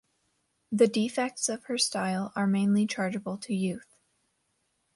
The defects of her style are mainly chargeable to youth.